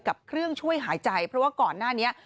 เครื่องช่วยหายใจเพราะว่าก่อนหน้านี้